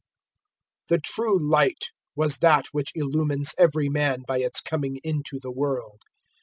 001:009 The true Light was that which illumines every man by its coming into the world.